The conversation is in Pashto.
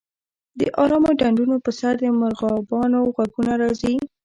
د ارامو ډنډونو په سر د مرغابیانو غږونه راځي